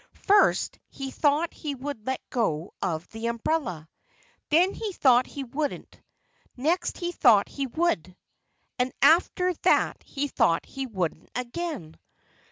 First, he thought he would let go of the umbrella. Then he thought he wouldn't. Next, he thought he would. And after that he thought he wouldn't, again.